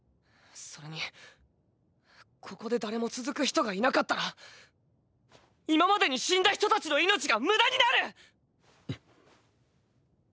それにここで誰も続く人がいなかったら今までに死んだ人たちの命が無駄になる！